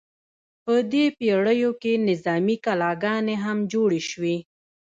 په دې پیړیو کې نظامي کلاګانې هم جوړې شوې.